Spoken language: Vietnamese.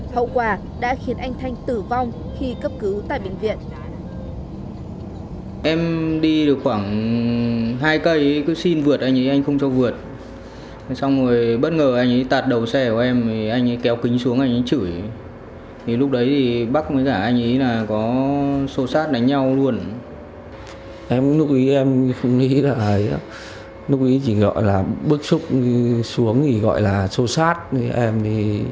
hậu quả đã khiến anh thanh tử vong khi cấp cứu tại bệnh viện